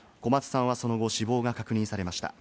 小松さんはその後、死亡が確認されました。